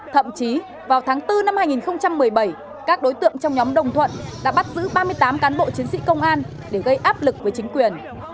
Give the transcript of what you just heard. thậm chí vào tháng bốn năm hai nghìn một mươi bảy các đối tượng trong nhóm đồng thuận đã bắt giữ ba mươi tám cán bộ chiến sĩ công an để gây áp lực với chính quyền